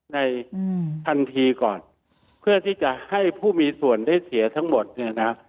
ทันทีก่อนเพื่อที่จะให้ผู้มีส่วนได้เสียทั้งหมดเนี่ยนะ